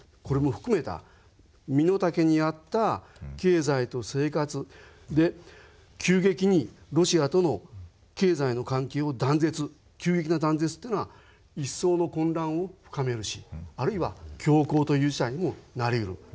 これも含めた身の丈に合った経済と生活で急激にロシアとの経済の関係を断絶急激な断絶というのは一層の混乱を深めるしあるいは恐慌という事態にもなりうる。